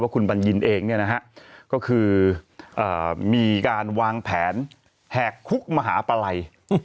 ว่าคุณบันยินเองเนี่ยนะฮะก็คือเอ่อมีการวางแผนแหกคุกมหาปลาย